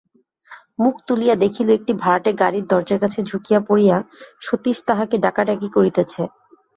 মুখ তুলিয়া দেখিল একটি ভাড়াটে গাড়ির দরজার কাছে ঝুঁকিয়া পড়িয়া সতীশ তাহাকে ডাকাডাকি করিতেছে।